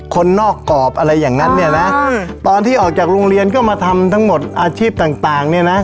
คนนอกกรอบอะไรอย่างนั้นเนี่ยนะตอนที่ออกจากโรงเรียนก็มาทำทั้งหมดอาชีพต่างเนี่ยนะ